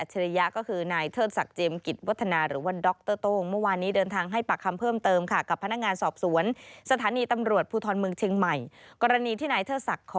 ผมก็จะไปแจ้งความที่กองปาก